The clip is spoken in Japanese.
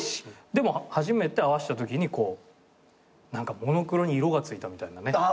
でも初めて合わせたときにこう何かモノクロに色がついたみたいなね